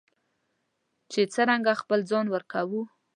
چې څرنګه خپل ځان ورکوو.